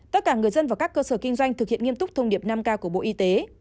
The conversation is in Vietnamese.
tất cả người dân và các cơ sở kinh doanh thực hiện nghiêm túc thông điệp năm k của bộ y tế